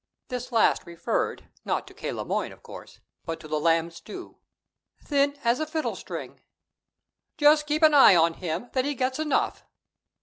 This last referred, not to K. Le Moyne, of course, but to the lamb stew. "Thin as a fiddle string." "Just keep an eye on him, that he gets enough."